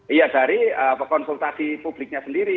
iya dari konsultasi publiknya sendiri